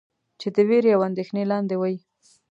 چې د وېرې او اندېښنې لاندې وئ.